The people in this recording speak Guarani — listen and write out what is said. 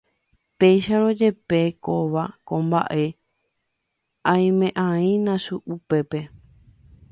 péicharõ jepe kóva ko mba'e aime'aína upépe